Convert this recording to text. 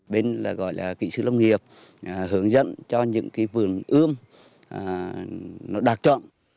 bên gọi là kỹ sư lâm nghiệp hướng dẫn cho những cái vườn ươm đặc trọng